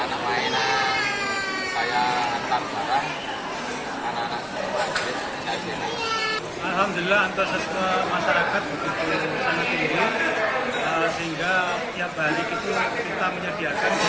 pembagian takjil yang disediakan selama lima hari